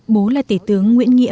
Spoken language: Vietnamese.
bố là tể tướng nguyễn nghiên